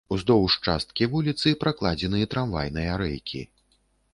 Уздоўж часткі вуліцы пракладзены трамвайныя рэйкі.